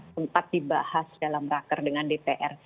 sempat dibahas dalam raker dengan dpr